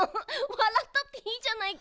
わらったっていいじゃないか。